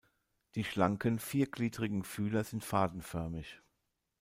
Die schlanken, viergliedrigen Fühler sind fadenförmig.